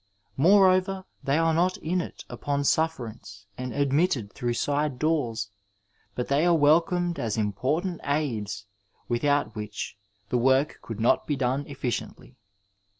Moreover they are not in it upon sufferance and admitted through side doors, but they are welcomed as important aids without which the work could not be done efficiently.